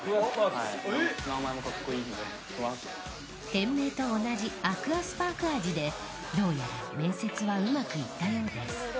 店名と同じアクアスパーク味でどうやら面接はうまくいったようです。